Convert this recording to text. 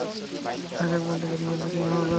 আগামীকাল তাকে রিমান্ডে নেওয়া হবে।